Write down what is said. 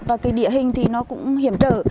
và địa hình cũng hiểm trở